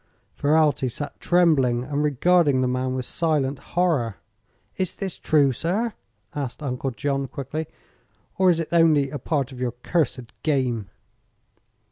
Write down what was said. Ferralti sat trembling and regarding the man with silent horror. "Is this true, sir?" asked Uncle John, quickly; "or is it only a part of your cursed game?"